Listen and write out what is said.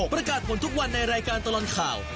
ประกาศผลทุกวันในรายการตลอดข่าว